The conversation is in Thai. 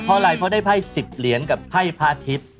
เพราะอะไรเพราะได้ไพ่๑๐เหรียญกับไพ่พระอาทิตย์